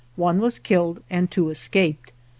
One was killed and two escaped.